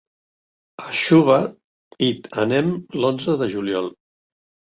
A Xóvar hi anem l'onze de juliol.